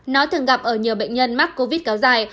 nó thường gặp ở nhiều bệnh nhân mắc covid kéo dài